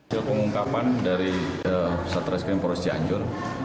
ini pengungkapan dari satres krim polres cianjur